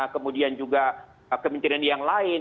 kemudian juga kementerian yang lain